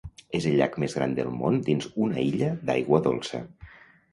És el llac més gran del món dins una illa d'aigua dolça.